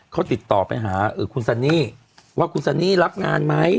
เขาติดต่อไปหาคุณซันนี่ว่าคุณซันนี่รับงานไหม